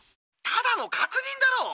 ただの確認だろう！